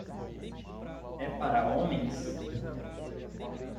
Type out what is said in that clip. É para homens?